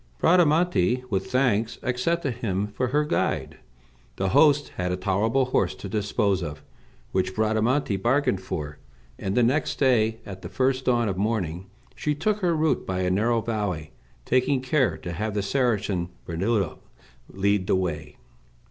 Bradamante, with thanks, accepted him for her guide. The host had a tolerable horse to dispose of, which Bradamante bargained for, and the next day, at the first dawn of morning, she took her route by a narrow valley, taking care to have the Saracen Brunello lead the way.